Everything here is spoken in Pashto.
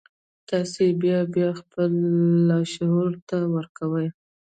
تاسې يې بيا بيا خپل لاشعور ته ورکوئ.